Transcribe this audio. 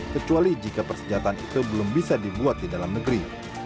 kecuali jika persenjataan itu belum bisa dibuat di dalam negeri